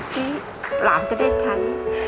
ที่หลังจะได้ใช้